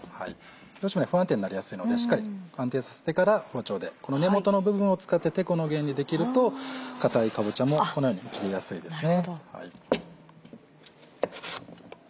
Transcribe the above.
どうしても不安定になりやすいのでしっかり安定させてから包丁でこの根元の部分を使っててこの原理で切ると硬いかぼちゃもこのように切りやすいですね。